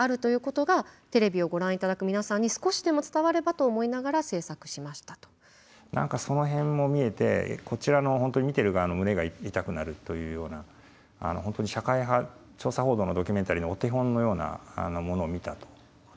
担当した持丸彰子ディレクターが言ってるんですけど何かその辺も見えてこちらの本当に見てる側の胸が痛くなるというような本当に社会派調査報道のドキュメンタリーのお手本のようなものを見たと私は思いました。